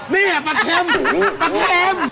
เมียปะเข็มปะเข็ม